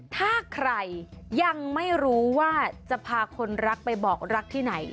ถ้าใครยังไม่รู้ว่าจะพาคนรักไปบอกรักที่ไหน